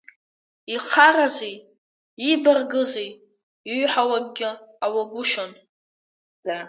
Ихаразеи, ибаргызеи, ииҳәалакгьы ҟалагәышьон.